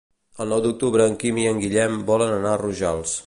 El nou d'octubre en Quim i en Guillem volen anar a Rojals.